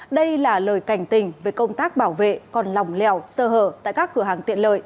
đây là lời cảnh tình về công tác bảo vệ còn lòng lèo sơ hở tại các cửa hàng tiện lợi